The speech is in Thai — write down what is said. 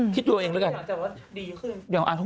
คิดดูเองแล้วกัน